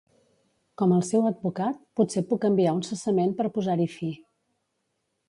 Com el seu advocat, potser puc enviar un cessament per posar-hi fi.